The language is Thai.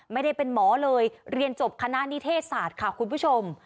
ไม่ได้เป็นหมอเลยเรียนจบคณะนิเทศศาสตร์ค่ะคุณผู้ชม